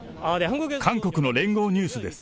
韓国の聯合ニュースです。